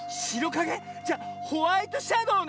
じゃホワイトシャドーね。